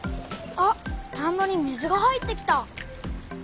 あ田んぼに水が入ってきた。